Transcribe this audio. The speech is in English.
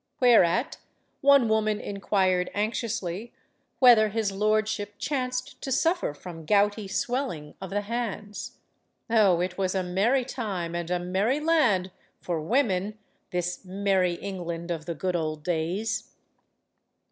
Whereat, one woman inquired anxiously whether his lordship chanced to suffer from gouty swelling of the hands. Oh, it was a merry time and a merry land for women this "Merrie England of the good old days!"